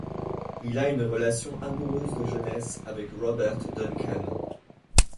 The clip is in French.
Il a une relation amoureuse de jeunesse avec Robert Duncan.